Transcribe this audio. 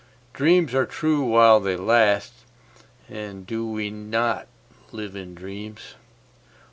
Dreams are true while they last, and do we not live in dreams?